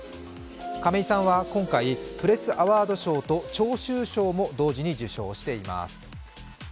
亀井さんは今回、プレス・アワード賞と聴衆賞も同時に受賞しています。